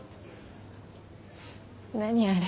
何あれ？